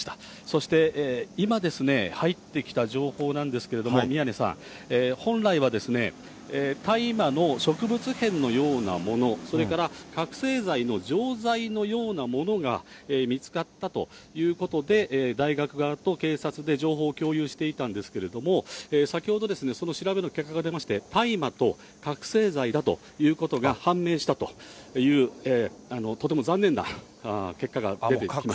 そして今ですね、入ってきた情報なんですけれども、宮根さん、本来は大麻の植物片のようなもの、それから覚醒剤の錠剤のようなものが見つかったということで、大学側と警察で情報を共有していたんですけれども、先ほど、その調べの結果が出まして、大麻と覚醒剤だということが判明したという、とても残念な結果が出てきました。